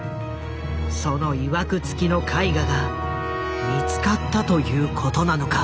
そのいわくつきの絵画が見つかったということなのか？